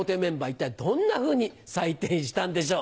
一体どんなふうに採点したんでしょう。